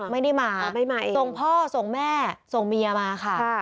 ไม่ได้มาเองส่งพ่อส่งแม่ส่งเมียมาค่ะ